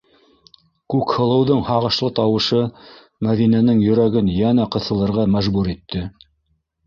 - Күкһылыуҙың һағышлы тауышы Мәҙинәнең йөрәген йәнә ҡыҫылырға мәжбүр итте.